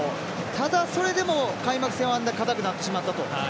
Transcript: ただ、それでも開幕戦はあんなにかたくなってしまったと。